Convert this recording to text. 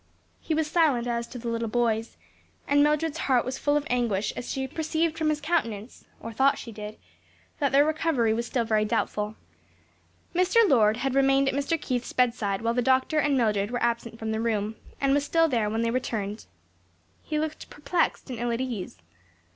He was silent as to the little boys, and Mildred's heart was full of anguish as she perceived from his countenance, or thought she did, that their recovery was still very doubtful. Mr. Lord had remained at Mr. Keith's bedside while the doctor and Mildred were absent from the room, and was still there when they returned. He looked perplexed and ill at ease.